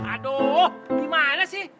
aduh gimana sih